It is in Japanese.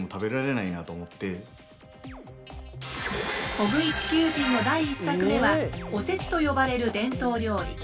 コグイ地球人の第１作目はおせちと呼ばれる伝統料理。